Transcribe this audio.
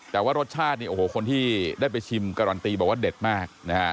แต่ว่ารสชาติคนที่ได้ไปชิมการันตีบอกว่าเด็ดมาก